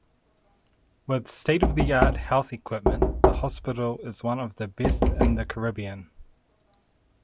With state-of-the-art health equipment the hospital is one of the best in the Caribbean.